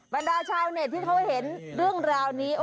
บรรดาชาวเน็ตที่เขาเห็นเรื่องราวนี้